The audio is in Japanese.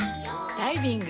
ダイビング。